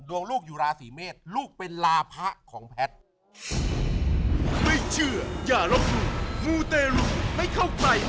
ลูกอยู่ราศีเมษลูกเป็นลาพะของแพทย์